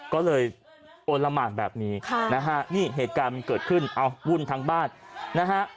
ก็เลยโอนละหมานแบบนี้นะฮะนี่เหตุการณ์มันเกิดขึ้นเอาวุ่นทั้งบ้านนะฮะ